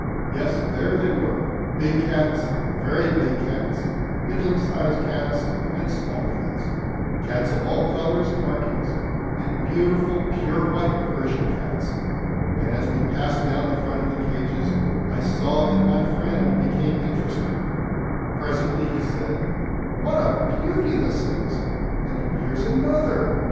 Yes, there they were, big cats, very big cats, middling sized cats, and small cats, cats of all colours and markings, and beautiful pure white Persian cats; and as we passed down the front of the cages I saw that my friend became interested; presently he said: "What a beauty this is! and here's another!"